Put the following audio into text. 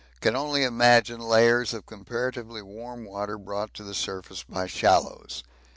Can only imagine layers of comparatively warm water brought to the surface by shallows.